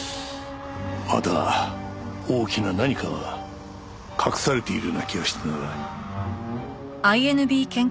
まだ大きな何かが隠されているような気がしてならない。